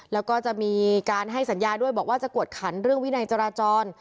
แล้วก็จะมีการให้สัญญาด้วยบอกว่าจะกวดขันเรื่องวินัยจราจร